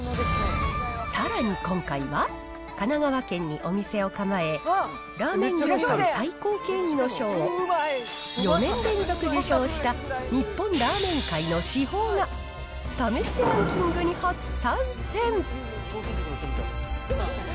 さらに今回は、神奈川県にお店を構え、ラーメン業界最高権威の賞を４年連続受賞した日本ラーメン界の至宝が、試してランキングに初参戦。